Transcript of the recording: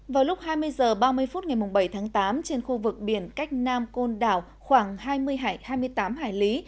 vào lúc hai mươi h ba mươi phút ngày bảy tháng tám trên khu vực biển cách nam côn đảo khoảng hai mươi hải hai mươi tám hải lý